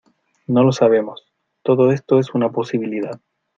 no lo sabemos. todo esto es una posibilidad